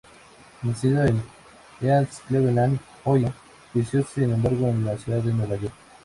Nacido en East Cleveland, Ohio, creció sin embargo en la ciudad de Nueva York.